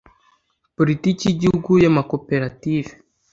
politiki y’igihugu y’amakoperative